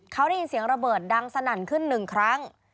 เขาได้ยินเสียงระเบิดดังสนั่นขึ้นหนึ่งครั้ง